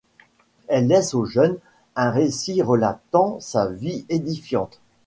Elle laisse au jeune homme un récit relatant sa vie édifiante.